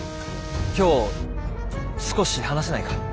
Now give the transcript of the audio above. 今日少し話せないか？